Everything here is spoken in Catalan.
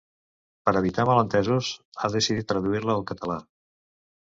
Per evitar malentesos ha decidit traduir-la al català.